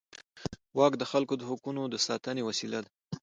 واک د خلکو د حقونو د ساتنې وسیله ده.